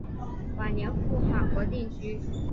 晚年赴法国定居。